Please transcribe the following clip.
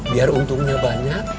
biar untungnya banyak